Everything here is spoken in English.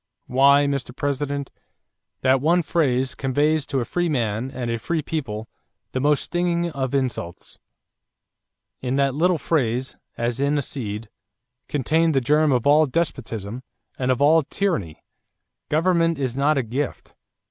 Why, Mr. President, that one phrase conveys to a free man and a free people the most stinging of insults. In that little phrase, as in a seed, is contained the germ of all despotism and of all tyranny. Government is not a gift.